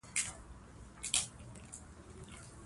افغانستان کې د بولان پټي د چاپېریال د تغیر نښه ده.